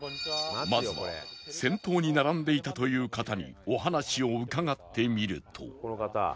まずは先頭に並んでいたという方にお話を伺ってみると